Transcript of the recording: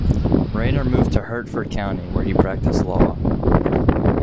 Rayner moved to Hertford County, where he practiced law.